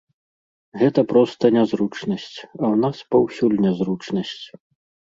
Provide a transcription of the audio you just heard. Гэта проста нязручнасць, а ў нас паўсюль нязручнасць.